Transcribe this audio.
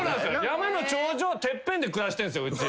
山の頂上てっぺんで暮らしてんすようち。